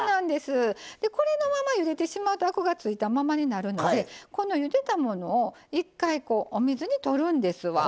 これのままゆでてしまうとアクがついたままになるのでこのゆでたものを一回お水にとるんですわ。